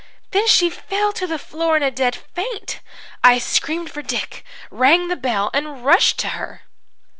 "Then she fell to the floor in a dead faint. "I screamed for Dick, rang the bell and rushed to her.